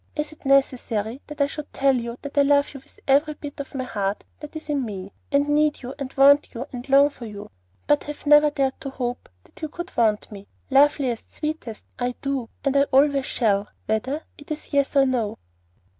Is it necessary that I should tell you that I love you with every bit of heart that is in me, and need you and want you and long for you, but have never dared to hope that you could want me? Loveliest, sweetest, I do, and I always shall, whether it is yes or no."